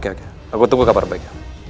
oke oke aku tunggu kabar baik